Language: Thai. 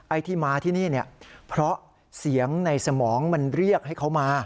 ไอ้ที่มาที่นี่เนี่ยเพราะเสียงในสมองมันเรียกให้เขามา